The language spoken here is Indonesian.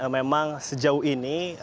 memang sejauh ini